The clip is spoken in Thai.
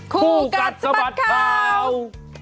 คู่กัดสะบัดข่าว